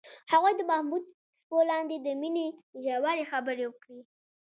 هغوی د محبوب څپو لاندې د مینې ژورې خبرې وکړې.